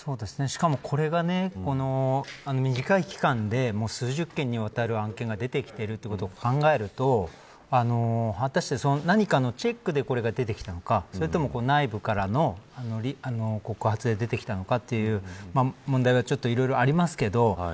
しかもこれが、短い期間で数十件にわたる案件が出てきているということを考えると果たして、何かのチェックでこれが出てきたのかそれとも内部からの告発で出てきたのかという問題が、いろいろありますけど。